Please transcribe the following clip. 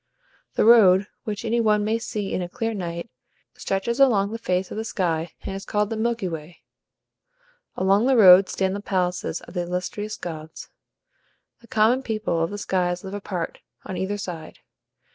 The road, which any one may see in a clear night, stretches across the face of the sky, and is called the Milky Way. Along the road stand the palaces of the illustrious gods; the common people of the skies live apart, on either side.